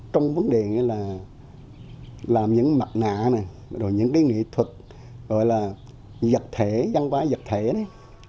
trong vấn đề như là làm những mặt nạ này rồi những cái nghệ thuật gọi là vật thể văn hóa vật thể này